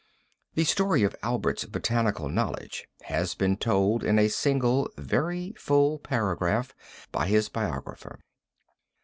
The story of Albert's botanical knowledge has been told in a single very full paragraph by his biographer.